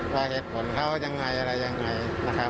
ว่าเหตุผลเขายังไงอะไรยังไงนะครับ